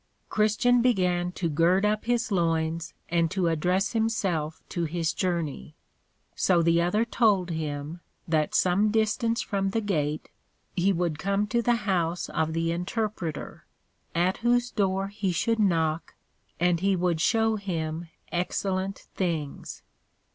Christian began to gird up his loins, and to address himself to his Journey. So the other told him, that some distance from the Gate, he would come to the house of the Interpreter, at whose door he should knock, and he would shew him excellent things.